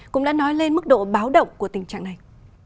cũng đã nói lên mức độ báo động của tình trạng này